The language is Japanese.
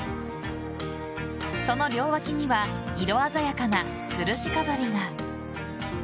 その両脇には色鮮やかなつるし飾りが。